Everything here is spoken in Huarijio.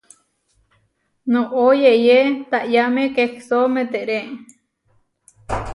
Noʼó yeʼyé taʼyáme kehsó meteré.